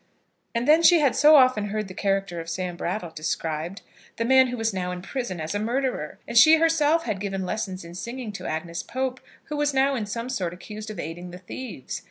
And then she had so often heard the character of Sam Brattle described, the man who was now in prison as a murderer! And she herself had given lessons in singing to Agnes Pope, who was now in some sort accused of aiding the thieves.